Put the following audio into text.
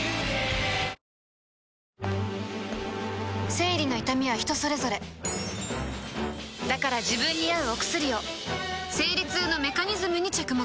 生理の痛みは人それぞれだから自分に合うお薬を生理痛のメカニズムに着目